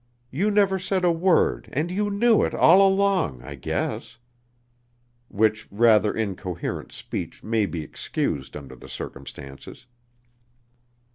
You never said a word and you knew it all along, I guess!" which rather incoherent speech may be excused under the circumstances.